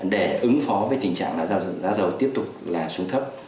để ứng phó với tình trạng là giá dầu tiếp tục là xuống thấp